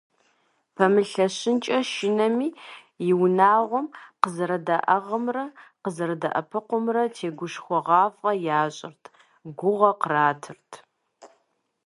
Пэмылъэщынкӏэ шынэми, и унагъуэм къызэрыдаӏыгъымрэ къызэрыдэӏэпыкъумрэ тегушхуэгъуафӀэ ящӏырт, гугъэ къратырт.